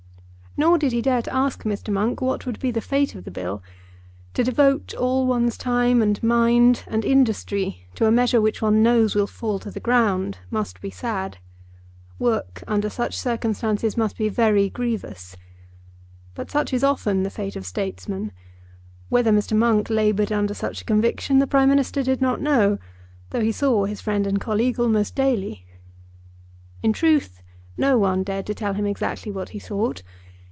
Nor did he dare to ask Mr. Monk what would be the fate of the Bill. To devote all one's time and mind and industry to a measure which one knows will fall to the ground must be sad. Work under such circumstances must be very grievous. But such is often the fate of statesmen. Whether Mr. Monk laboured under such a conviction the Prime Minister did not know, though he saw his friend and colleague almost daily. In truth no one dared to tell him exactly what he thought.